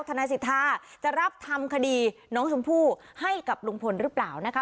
นายสิทธาจะรับทำคดีน้องชมพู่ให้กับลุงพลหรือเปล่านะคะ